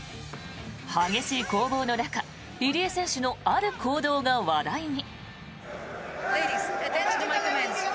激しい攻防の中入江選手のある行動が話題に。